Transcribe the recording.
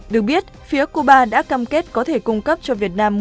được biết phía cuba đã cam kết có thể cung cấp cho việt nam